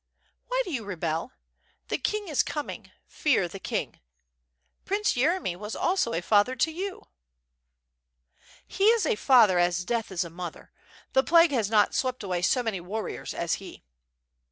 "Why do you rebel? the king is coming; fear the king. Prince Yeremy was also a father to you —" "He is a father as death is a mother. The plague has not swept away so many warriors as he."